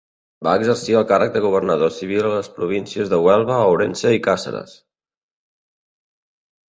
Va exercir el càrrec de governador civil a les províncies de Huelva, Ourense i Càceres.